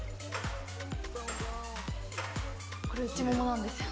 これ、内ももなんですよ。